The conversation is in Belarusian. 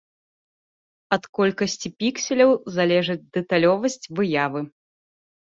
Ад колькасці пікселяў залежыць дэталёвасць выявы.